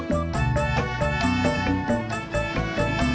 kita gak beli toko bang